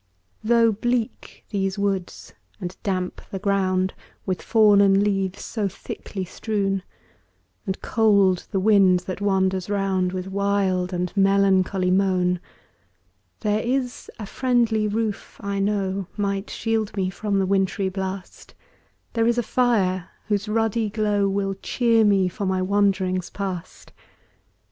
Though bleak these woods, and damp the ground With fallen leaves so thickly strown, And cold the wind that wanders round With wild and melancholy moan; There IS a friendly roof, I know, Might shield me from the wintry blast; There is a fire, whose ruddy glow Will cheer me for my wanderings past.